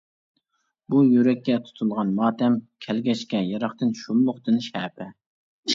بۇ يۈرەككە تۇتۇلغان ماتەم، كەلگەچكە يىراقتىن شۇملۇقتىن شەپە.